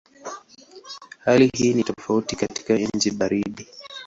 Hali hii ni tofauti katika nchi baridi.